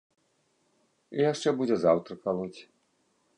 І яшчэ будзе заўтра калоць.